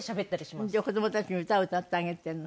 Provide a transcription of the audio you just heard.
子供たちに歌を歌ってあげてるの？